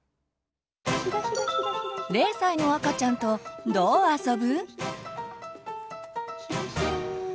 ０歳の赤ちゃんとどう遊ぶ？